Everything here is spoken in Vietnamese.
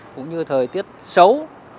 cũng như thời tiết xấu